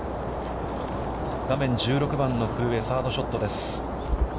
画面、１６番の古江、サードショットです。